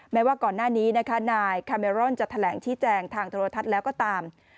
แม้ว่าก่อนหน้านี้นะคะนายคาเมรอนจะแถลงชี้แจงทางโทรทัศน์แล้วก็ตาม